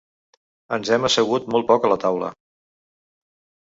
Ens hem assegut molt poc a la taula.